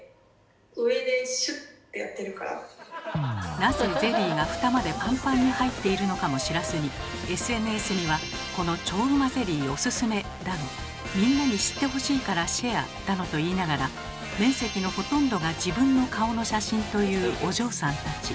なぜゼリーがフタまでパンパンに入っているのかも知らずにＳＮＳには「この超うまゼリーおすすめ」だの「みんなに知ってほしいからシェア」だのと言いながら面積のほとんどが自分の顔の写真というお嬢さんたち。